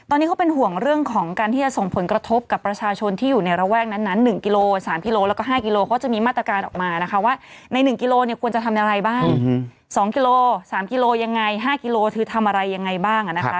ตอนนี้เขาเป็นห่วงเรื่องของการที่จะส่งผลกระทบกับประชาชนที่อยู่ในระแวกนั้น๑กิโล๓กิโลแล้วก็๕กิโลเขาจะมีมาตรการออกมานะคะว่าใน๑กิโลเนี่ยควรจะทำอะไรบ้าง๒กิโล๓กิโลยังไง๕กิโลคือทำอะไรยังไงบ้างนะคะ